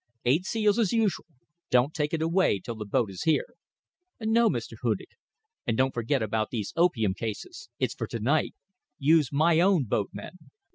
Eight seals as usual. Don't take it away till the boat is here." "No, Mr. Hudig." "And don't forget about these opium cases. It's for to night. Use my own boatmen.